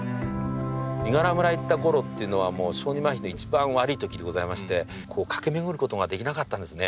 伊賀良村行った頃っていうのはもう小児まひの一番悪い時でございまして駆け巡ることができなかったんですね。